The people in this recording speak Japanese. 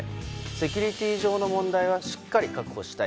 セキュリティー上の問題はしっかり確保したい。